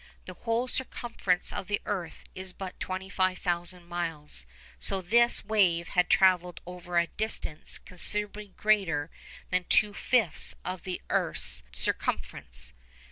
The whole circumference of the earth is but 25,000 miles, so that this wave had travelled over a distance considerably greater than two fifths of the earth's circumference.